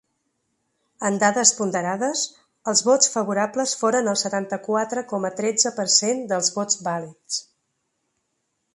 En dades ponderades, els vots favorables foren del setanta-quatre coma tretze per cent dels vots vàlids.